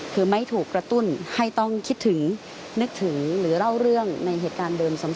คือไม่ถูกกระตุ้นให้ต้องคิดถึงนึกถึงหรือเล่าเรื่องในเหตุการณ์เดิมซ้ำ